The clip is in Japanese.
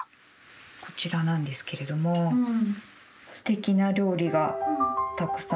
こちらなんですけれどもすてきな料理がたくさん。